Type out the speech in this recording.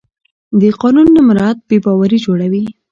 د قانون نه مراعت بې باوري جوړوي